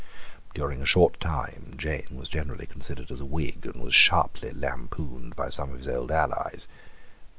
During a short time Jane was generally considered as a Whig, and was sharply lampooned by some of his old allies.